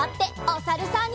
おさるさん。